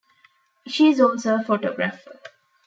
She is also a photographer.